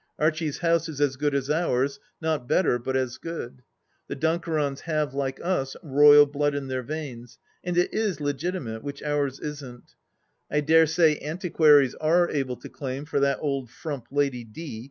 Archie's house is as good as ours ; not better, but as good. The Dunkerons have, like us. Royal blood in their veins, and it is legitunate, which ours isn't. I dare say antiquaries are able to claim for that old frump Lady D.